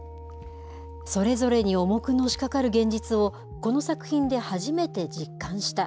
それぞれに重くのしかかる現実を、この作品で初めて実感した。